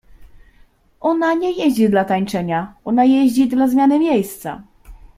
Ona nie jeździ dla tańczenia, ona jeździ dla zmiany miejsca.